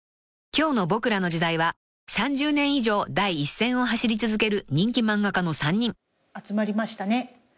［今日の『ボクらの時代』は３０年以上第一線を走り続ける人気漫画家の３人］集まりましたね。